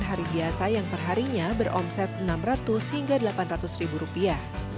hari biasa yang perharinya beromset enam ratus hingga delapan ratus ribu rupiah